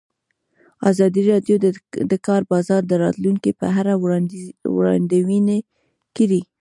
ازادي راډیو د د کار بازار د راتلونکې په اړه وړاندوینې کړې.